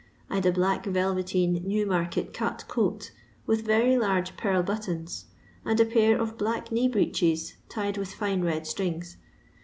I 'd a black velveteen Newmarket cut coat, with very large pearl but tons, and a {>air of black knee breeches tied with fine red strings.